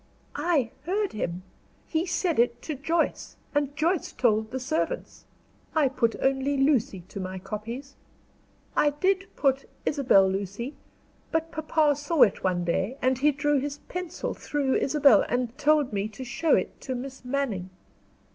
"I heard him. He said it to Joyce, and Joyce told the servants. I put only Lucy to my copies. I did put Isabel Lucy, but papa saw it one day, and he drew his pencil through Isabel, and told me to show it to Miss Manning.